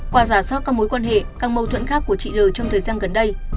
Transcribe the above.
qua giả soát các mối quan hệ các mâu thuẫn khác của chị l trong thời gian gần đây